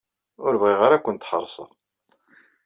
Ur bɣiɣ ara ad kent-ḥeṛseɣ.